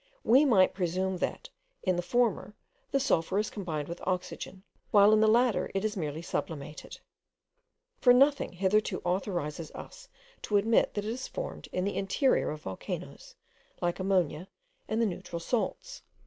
We might presume that, in the former, the sulphur is combined with oxygen, while, in the latter, it is merely sublimated; for nothing hitherto authorises us to admit that it is formed in the interior of volcanoes, like ammonia and the neutral salts.